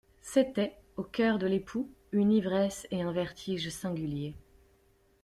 C'était, au cœur de l'époux, une ivresse et un vertige singuliers.